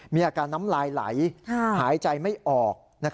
มีอาการน้ำลายไหลหายใจไม่ออก